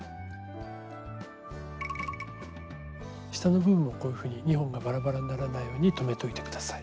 下の部分もこういうふうに２本がバラバラにならないように留めておいて下さい。